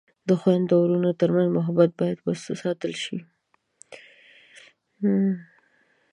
د خویندو او ورونو ترمنځ محبت باید وساتل شي.